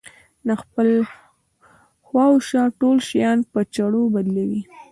د خپل خواوشا ټول شيان په چرو بدلوي.